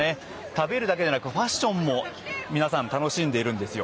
食べるだけじゃなくファッションも皆さん楽しんでいるんですよ。